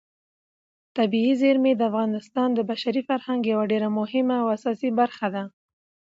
طبیعي زیرمې د افغانستان د بشري فرهنګ یوه ډېره مهمه او اساسي برخه ده.